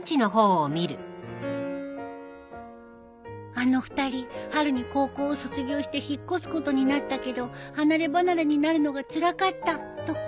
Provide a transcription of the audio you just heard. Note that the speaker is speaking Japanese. あの２人春に高校を卒業して引っ越すことになったけど離れ離れになるのがつらかったとか？